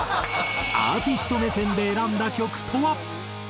アーティスト目線で選んだ曲とは？